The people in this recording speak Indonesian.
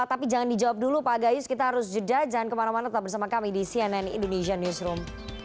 tapi jangan dijawab dulu pak gayus kita harus jeda jangan kemana mana tetap bersama kami di cnn indonesia newsroom